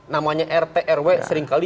namanya rt rw seringkali